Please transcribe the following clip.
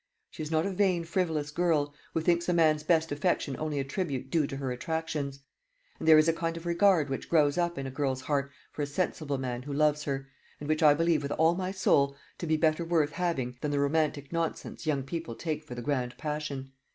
She is not a vain frivolous girl, who thinks a man's best affection only a tribute due to her attractions. And there is a kind of regard which grows up in a girl's heart for a sensible man who loves her, and which I believe with all my soul to be better worth having than the romantic nonsense young people take for the grand passion.